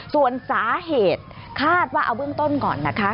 ส่วนสาเหตุคาดว่าเอาเบื้องต้นก่อนนะคะ